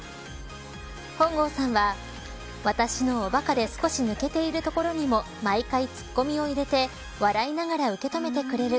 本郷さんは私のおバカで少し抜けているところにも毎回ツッコミを入れて笑いながら受けとめてくれる。